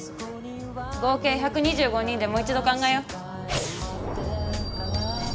合計１２５人でもう一度考えよう。